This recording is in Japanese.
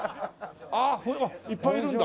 いっぱいいるんだ。